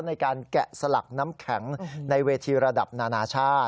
แกะสลักน้ำแข็งในเวทีระดับนานาชาติ